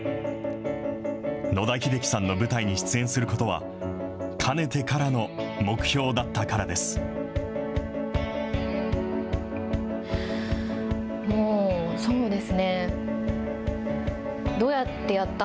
野田秀樹さんの舞台に出演することは、かねてからの目標だったからです。